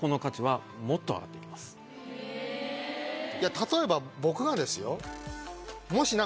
例えば僕がですよ？